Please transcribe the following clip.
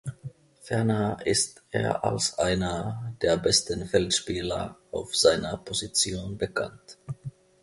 Ferner ist er als einer der besten Feldspieler auf seiner Position bekannt.